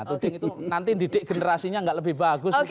tuding itu nanti didik generasinya nggak lebih bagus